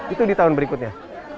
itu ditahan berikutnya